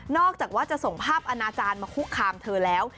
อกจากว่าจะส่งภาพอนาจารย์มาคุกคามเธอแล้ว